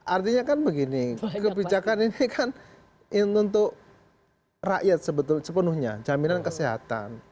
artinya kan begini kebijakan ini kan untuk rakyat sebetulnya sepenuhnya jaminan kesehatan